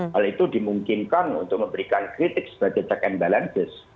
hal itu dimungkinkan untuk memberikan kritik sebagai check and balances